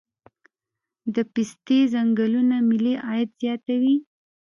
د پستې ځنګلونه ملي عاید زیاتوي.